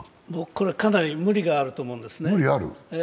これはかなり無理があると思うんですね。